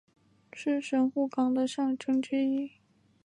是神户港的象征之一。